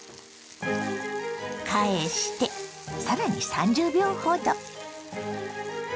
返してさらに３０秒ほど。